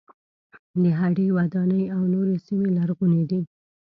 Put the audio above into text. د هډې وداني او نورې سیمې لرغونې دي.